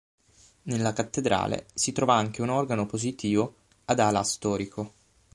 Nella cattedrale, si trova anche un organo positivo ad ala storico.